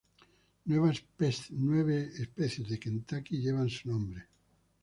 Nueve especies de Kentucky llevan su nombre.